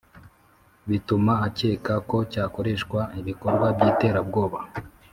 bituma akeka ko cyakoreshwa ibikorwa by iterabwoba